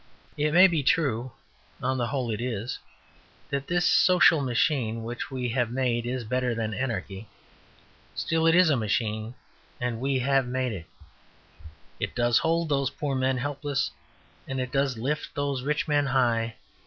It may be true (on the whole it is) that this social machine we have made is better than anarchy. Still, it is a machine; and we have made it. It does hold those poor men helpless: and it does lift those rich men high...